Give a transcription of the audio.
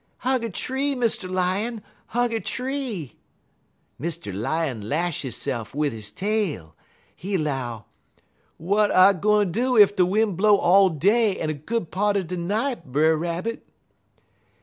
"'Hug a tree, Mr. Lion, hug a tree!' "Mr. Lion lash hisse'f wid his tail. He 'low: "'Wat I gwine do ef de win' blow all day en a good part er de night, Brer Rabbit?'